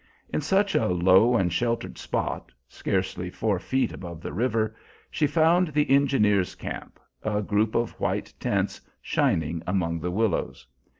In such a low and sheltered spot, scarcely four feet above the river, she found the engineers' camp, a group of white tents shining among the willows.